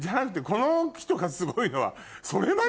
この人がすごいのは。